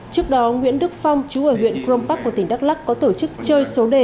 trước đó nguyễn đức phong chú ở huyện crompac của tỉnh đắk lắc có tổ chức chơi số đề